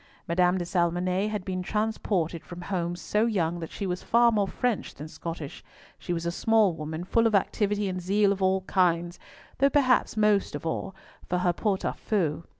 Madame de Salmonnet had been transported from home so young that she was far more French than Scottish; she was a small woman full of activity and zeal of all kinds, though perhaps most of all for her pot au feu.